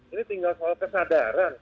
ini tinggal soal kesadaran